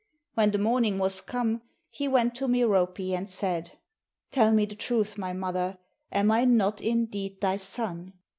When the morning was come, he went to Merope and said, " Tell me the truth, my mother; am I not indeed thy son?